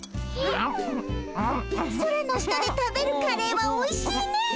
空の下で食べるカレーはおいしいねえ。